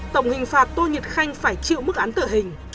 tổng hình phạt tô nhật khanh phải chịu mức án tử hình